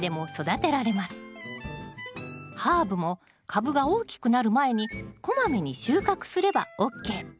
ハーブも株が大きくなる前にこまめに収穫すればＯＫ。